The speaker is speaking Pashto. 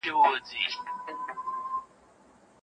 هغه د یهودانو ارقام راټول کړل.